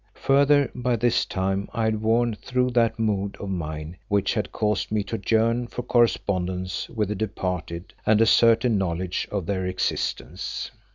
Further, by this time I had worn through that mood of mine which had caused me to yearn for correspondence with the departed and a certain knowledge of their existence.